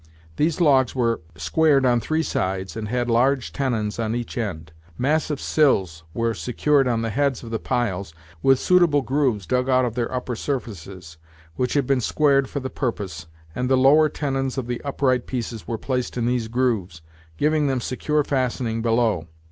These logs were squared on three sides, and had large tenons on each end. Massive sills were secured on the heads of the piles, with suitable grooves dug out of their upper surfaces, which had been squared for the purpose, and the lower tenons of the upright pieces were placed in these grooves, giving them secure fastening below.